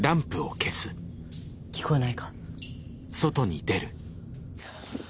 聞こえないか？